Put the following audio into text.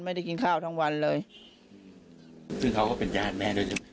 กินข้าวทั้งวันเลยซึ่งเขาก็เป็นญาติแม่ด้วยใช่ไหม